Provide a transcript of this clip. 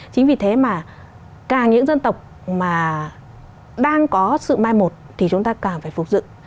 chính vì thế mà càng những dân tộc mà đang có sự mai một thì chúng ta càng phải phục dựng